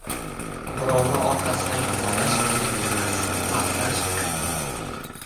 • Birovni orqasidan yomonlash qiyin emas, maqtash qiyin.